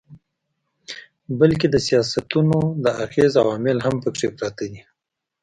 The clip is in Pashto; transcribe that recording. بلکي د سياستونو د اغېز عوامل هم پکښې پراته دي